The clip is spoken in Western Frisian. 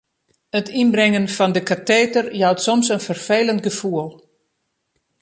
It ynbringen fan it kateter jout soms in ferfelend gefoel.